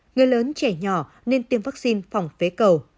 người lớn trẻ nhỏ nên tiêm vaccine phòng phế cầu